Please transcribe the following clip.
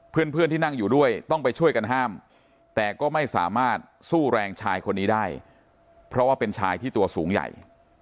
เพื่อนที่นั่งอยู่ด้วยต้องไปช่วยกันห้ามแต่ก็ไม่สามารถสู้แรงชายคนนี้ได้เพราะว่าเป็นชายที่ตัวสูงใหญ่